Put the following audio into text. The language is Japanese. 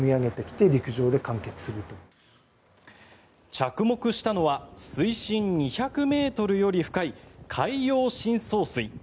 着目したのは水深２００ｍより深い海洋深層水。